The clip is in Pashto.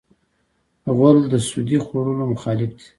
غول د سودي خوړو مخالف دی.